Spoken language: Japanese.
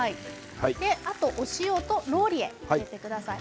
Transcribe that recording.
お塩とローリエを入れてください。